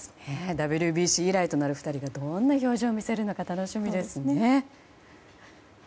ＷＢＣ以来となる２人がどんな表情を見せるのか楽しみですね。